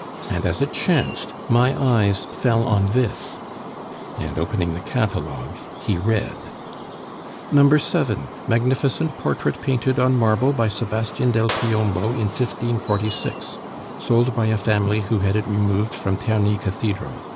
And as it chanced, my eyes fell on this " And opening the catalogue, he read: "No. 7. _Magnificent portrait painted on marble, by Sebastian del Piombo, in 1546. Sold by a family who had it removed from Terni Cathedral.